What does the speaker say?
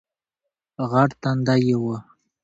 غټ تندی یې وو